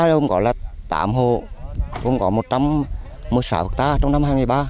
không có là tám hộ không có một trăm một mươi sáu hectare trong năm hai nghìn ba